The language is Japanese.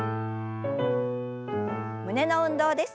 胸の運動です。